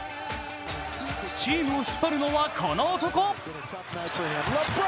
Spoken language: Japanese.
チームを引っ張るのは、この男。